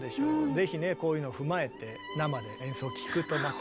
ぜひねこういうのを踏まえて生で演奏を聴くとまた。